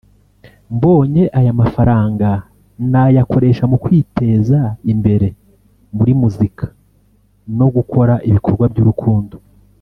“Mbonye aya mafaranga nayakoresha mu kwiteza imbere muri muzika no gukora ibikorwa by’urukundo”